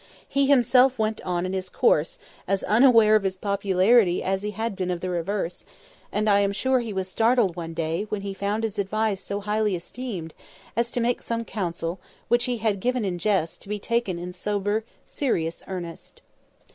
He himself went on in his course, as unaware of his popularity as he had been of the reverse; and I am sure he was startled one day when he found his advice so highly esteemed as to make some counsel which he had given in jest to be taken in sober, serious earnest.